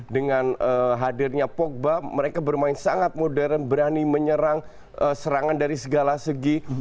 dengan hadirnya pogba mereka bermain sangat modern berani menyerang serangan dari segala segi